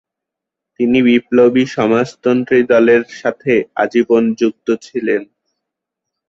তিনি বিপ্লবী সমাজতন্ত্রী দলের সাথে আজীবন যুক্ত ছিলেন।